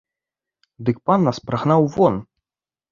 Дык пан нас прагнаў вон.